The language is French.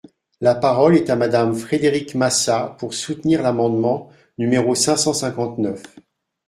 La parole est à Madame Frédérique Massat, pour soutenir l’amendement numéro cinq cent cinquante-neuf.